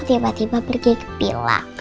oh tiba tiba pergi ke villa